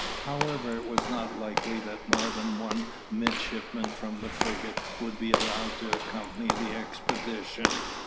However, it was not likely that more than one midshipman from the frigate would be allowed to accompany the expedition.